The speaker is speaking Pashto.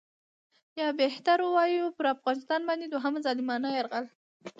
یا بهتر ووایو پر افغانستان باندې دوهم ظالمانه یرغل.